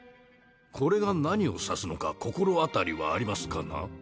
これが何を指すのか心当たりはありますかな？